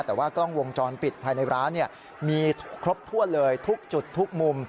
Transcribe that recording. แต่ว่ากล้องวงจรปิดภายในร้านมีครบถ้วนเลยทุกจุดทุกมุม